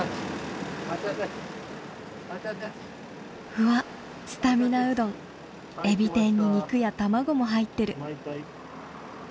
うわっスタミナうどんエビ天に肉や卵も入ってる。